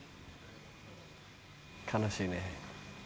悲しいね。